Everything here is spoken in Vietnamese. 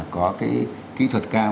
có cái kỹ thuật cao